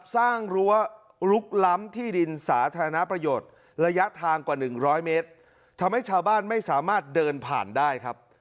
รั้วลุกล้ำที่ดินสาธารณประโยชน์ระยะทางกว่าหนึ่งร้อยเมตรทำให้ชาวบ้านไม่สามารถเดินผ่านได้ครับ